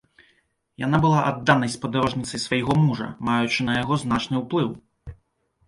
Яна была адданай спадарожніцай свайго мужа, маючы на яго значны ўплыў.